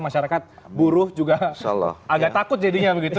masyarakat buruh juga agak takut jadinya begitu